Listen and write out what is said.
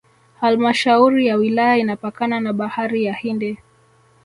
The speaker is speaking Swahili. Halmashauri ya wilaya inapakana na Bahari ya Hindi